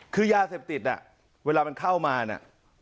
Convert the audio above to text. คือยาเสพติดอ่ะเวลามันเข้ามาเนี่ย